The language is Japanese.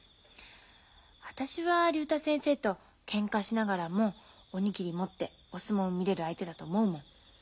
私は竜太先生とけんかしながらもお握り持ってお相撲見れる相手だと思うもん。